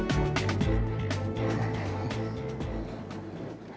aku mau berjalan